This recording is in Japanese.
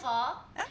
えっ？